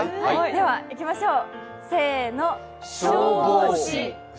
ではいきましょう。